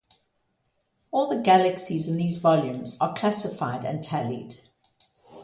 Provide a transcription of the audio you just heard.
All the galaxies in these volumes are classified and tallied.